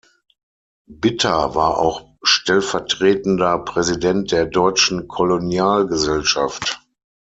Bitter war auch stellvertretender Präsident der Deutschen Kolonialgesellschaft.